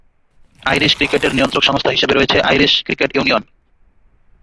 Irish ক্রিকেটের নিয়ন্ত্রক সংস্থা হিসেবে রয়েছে আইরিশ ক্রিকেট ইউনিয়ন।